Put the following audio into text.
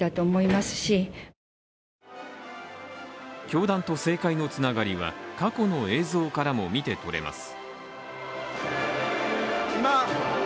教団と政界のつながりは過去の映像からもみてとれます。